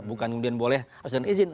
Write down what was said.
bukan kemudian boleh harus dan izin